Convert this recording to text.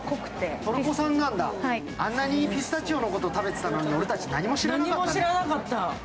あんなにピスタチオのこと食べてたのに、俺たち何も知らなかった。